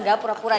gak gak pura pura